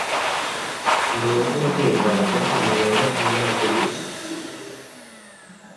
ambaza uko nagiye kwaka inguzanyo ingana kuriya